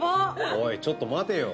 おいちょっと待てよ